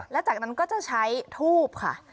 แล้วจากนั้นก็จะใช้ทูบค่ะ